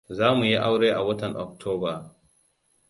Za mu yi aure a watan Oktoba.